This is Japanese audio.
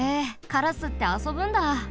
カラスってあそぶんだ！